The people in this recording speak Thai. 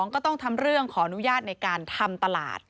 ก็ต้องทำเรื่องขออนุญาตในการทำตลาด